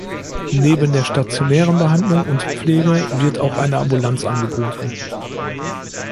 Neben der stationären Behandlung und Pflege wird auch eine Ambulanz angeboten.